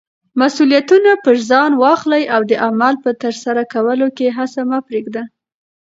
مسولیتونه پر ځان واخله او د عمل په ترسره کولو کې هڅه مه پریږده.